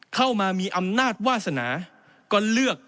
เข้ามามีอำนาจวาสนาก็เลือก